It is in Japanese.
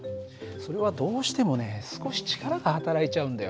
それはどうしてもね少し力がはたらいちゃうんだよ。